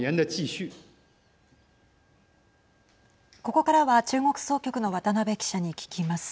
ここからは中国総局の渡辺記者に聞きます。